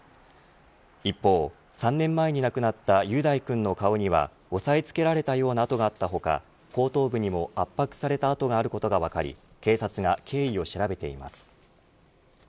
一方、３年前に亡くなった雄大君の顔には押さえつけられたような痕があった他後頭部にも圧迫された痕があることが分かり警察が経緯を調べています。